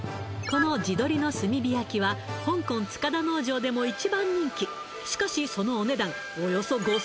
この地鶏の炭火焼は香港塚田農場でも一番人気しかしそのお値段およそ５０００円